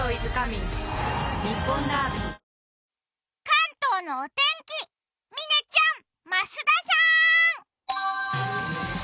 関東のお天気嶺ちゃん、増田さん。